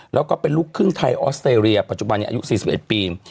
แล้วก็เป็นลูกครึ่งไทยออสเตรเลียปัจจุบันอายุ๔๑ปี